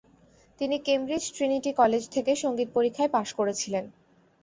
তিনি Cambridge Trinity College থেকে সংগীত পরীক্ষায় পাস করেছিলেন।